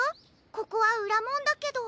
ここはうらもんだけど。